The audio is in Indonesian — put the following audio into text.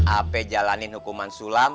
apa jalanin hukuman sulam